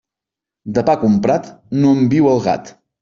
De pa comprat, no en viu el gat.